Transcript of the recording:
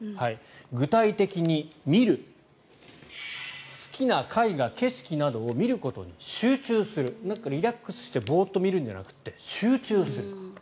具体的に、見る好きな絵画・景色などを見ることに集中するリラックスしてボーッと見るんじゃなくて集中する。